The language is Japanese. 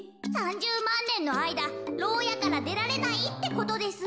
３０まんねんのあいだろうやからでられないってことです。